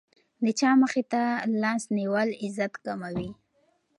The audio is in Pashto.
د چا مخې ته لاس نیول عزت کموي.